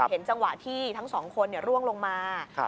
เห็นจังหวะที่ทั้งสองคนร่วงลงมา